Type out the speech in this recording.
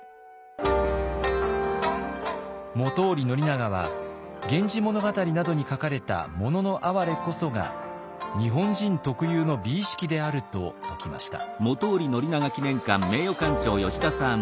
本居宣長は「源氏物語」などに書かれた「もののあはれ」こそが日本人特有の美意識であると説きました。